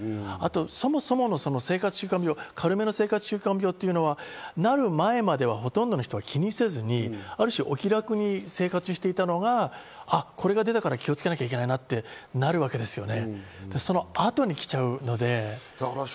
そもそもの生活習慣病、軽めの生活習慣病というのはなる前までは、ほとんどの人は気にせずに、ある種、お気楽に生活していたのが、これが出たから気をつけなきゃいけないなってなるわけですよね。